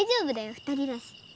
２人だし。